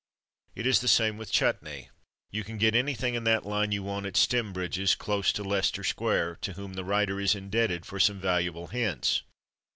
It is the same with chutnee. You can get anything in that line you want at Stembridge's, close to Leicester Square, to whom the writer is indebted for some valuable hints.